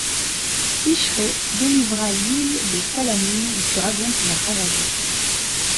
Cychrée délivra l’île de Salamine du dragon qui la ravageait.